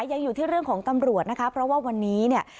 ยังอยู่ที่เรื่องของตำรวจนะคะเพราะว่าวันนี้เนี่ย